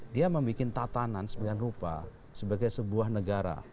dia membuat tatanan sebegian rupa sebagai sebuah negara